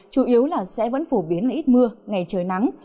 chủ yếu là sẽ vẫn phổ biến là ít mưa ngày trời nắng